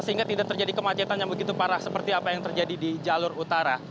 sehingga tidak terjadi kemacetan yang begitu parah seperti apa yang terjadi di jalur utara